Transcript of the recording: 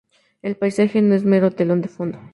El paisaje no es un mero telón de fondo.